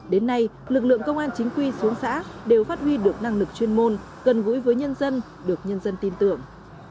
xã xuống xã đều phát huy được năng lực chuyên môn gần gũi với nhân dân được nhân dân tin tưởng